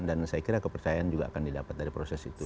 dan saya kira kepercayaan juga akan didapat dari proses itu